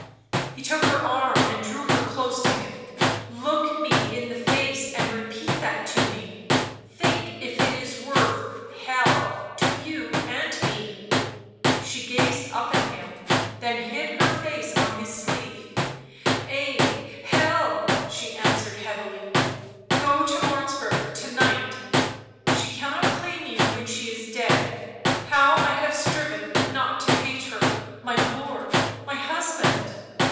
77 — he took her arm and drew her close to him — li look me in the face and repeat that to me ; think if it is worth — Hell — to you and me . 77 She gazed up at him, then hid her face on his sleeve. " Ay, Hell , 77 she answered heavily; "go to Martzburg to night ; she cannot claim you when she is dead ; how I have striven not to hate her — my lord, my husband